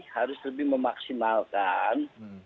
harus lebih memaksimalkan